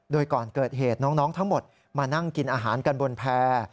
โดยก่อนเกิดเหตุน้องทั้งหมดมานั่งกินอาหารกันบนแพร่